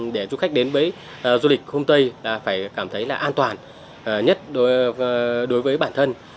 để du khách đến với du lịch hôm tây là phải cảm thấy là an toàn nhất đối với bản thân